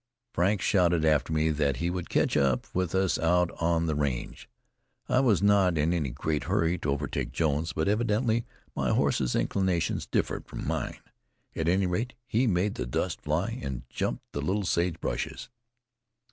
Frank shouted after me that he would catch up with us out on the range. I was not in any great hurry to overtake Jones, but evidently my horse's inclinations differed from mine; at any rate, he made the dust fly, and jumped the little sage bushes.